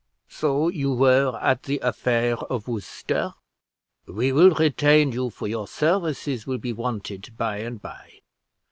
So you were at the affair of Worcester? We will retain you, for your services will be wanted by and by.